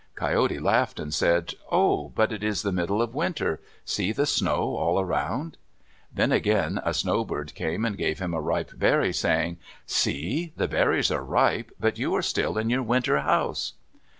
Coyote laughed and said, "Oh, but it is the middle of winter. See the snow all around." Then again a snowbird came and gave him a ripe berry, saying, "See! The berries are ripe, but you are still in your winter house."